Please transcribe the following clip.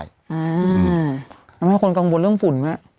ทำให้คนกังวลเรื่องฝุ่น